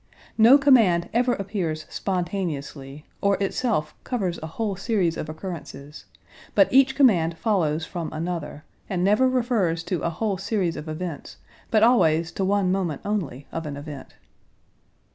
No command ever appears spontaneously, or itself covers a whole series of occurrences; but each command follows from another, and never refers to a whole series of events but always to one moment only of an event.